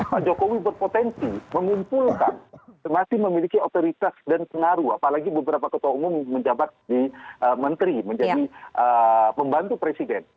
pak jokowi berpotensi mengumpulkan masih memiliki otoritas dan pengaruh apalagi beberapa ketua umum menjabat di menteri menjadi pembantu presiden